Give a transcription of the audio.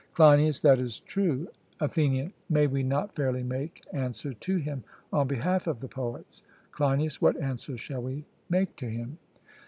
CLEINIAS: That is true. ATHENIAN: May we not fairly make answer to him on behalf of the poets? CLEINIAS: What answer shall we make to him?